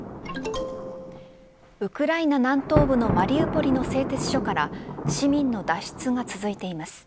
ウクライナ南東部のマリウポリの製鉄所から市民の脱出が続いています。